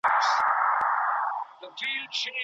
ولي لېواله انسان د لوستي کس په پرتله موخي ترلاسه کوي؟